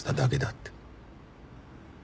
って。